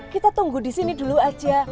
kita tunggu disini dulu aja